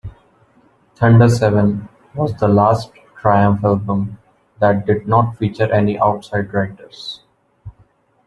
"Thunder Seven" was the last Triumph album that did not feature any outside writers.